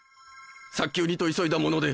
早急にと急いだもので。